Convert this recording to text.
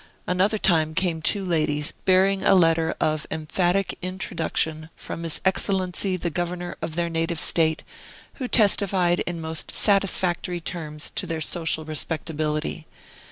Another time came two ladies, bearing a letter of emphatic introduction from his Excellency the Governor of their native State, who testified in most satisfactory terms to their social respectability.